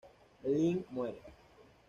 Lynn muere.